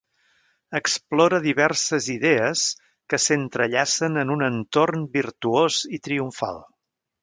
Explora diverses idees que s'entrellacen en un entorn virtuós i triomfal.